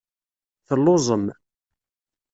Telluẓem.